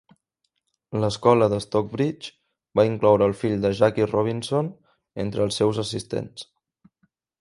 L'Escola de Stockbridge va incloure el fill de Jackie Robinson entre els seus assistents.